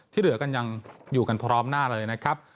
ที่เหลือกันยังอยู่กันพร้อมหน้าเลยนะครับ